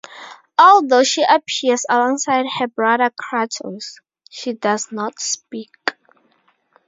Although she appears alongside her brother Kratos, she does not speak.